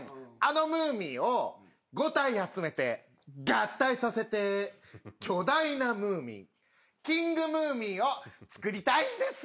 あのムーミンを５体集めて合体させて巨大なムーミンキングムーミンをつくりたいんですよ！